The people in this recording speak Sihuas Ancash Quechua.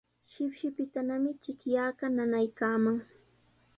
Shipshipitanami chiqllaaqa nanaykaaman.